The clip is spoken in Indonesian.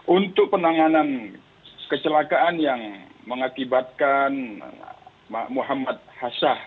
untuk penanganan kecelakaan yang mengakibatkan muhammad hassah